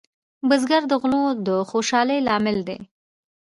بزګر د غلو د خوشحالۍ لامل دی